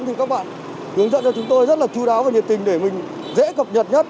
thì các bạn hướng dẫn cho chúng tôi rất là chú đáo và nhiệt tình để mình dễ cập nhật nhất